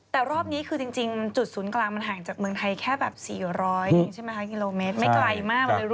แต่รอบนี้จุดศูนย์กลางมันห่างจากเมืองไทยแค่แบบ๔๐๐กิโลเมตร